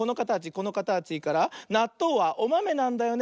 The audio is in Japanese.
このかたちからなっとうはおまめなんだよね。